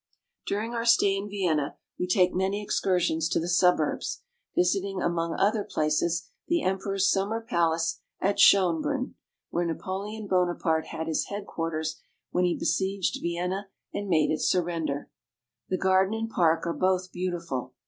During our stay in Vienna we take many excursions to the suburbs, visiting among other places the emperor's summer palace at Shoenbrunn (shon'broon), where Napo leon Bonaparte had his headquarters when he besieged Vienna and made it surrender. The garden and park are both beautiful.